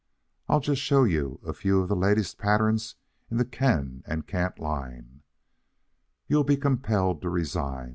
I'll just show you a few of the latest patterns in the can and can't line. You'll be compelled to resign?